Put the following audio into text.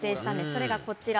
それがこちら。